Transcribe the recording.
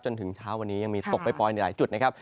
จนถึงเช้าวันนี้ยังมีตกปล่อยในหลายจุดนะครับ